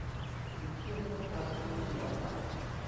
สินเชื่อเพื่อการซื้อที่อยู่อาศัย